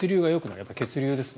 やっぱり血流ですね。